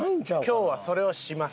今日はそれをします。